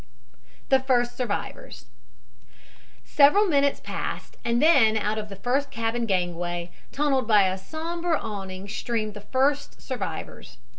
THE FIRST SURVIVORS Several minutes passed and then out of the first cabin gangway; tunneled by a somber awning, streamed the first survivors.